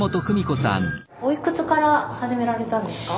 おいくつから始められたんですか？